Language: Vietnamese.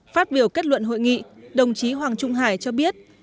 phát biểu kết luận hội nghị đồng chí hoàng trung hải cho biết